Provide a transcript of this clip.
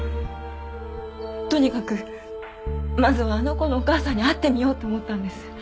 とにかくまずはあの子のお母さんに会ってみようと思ったんです。